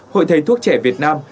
hội thầy thuốc trẻ việt nam